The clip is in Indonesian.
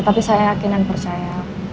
tapi saya yakin dan percaya